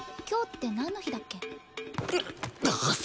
今日ってなんの日だっけ？